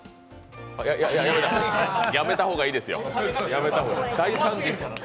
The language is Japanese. やめた方がいいですよ、大惨事。